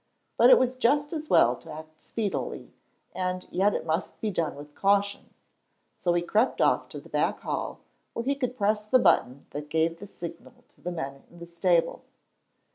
But it was just as well to act speedily, and yet it must be done with caution; so he crept off to the back hall, where he could press the button that gave the signal to the men in the stable.